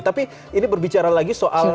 tapi ini berbicara lagi soal